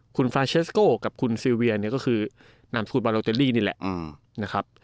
คุณฟรานเชสโกกับคุณซิลเวียก็คือนางศูนย์บาโลเตรลี่นี่แหละ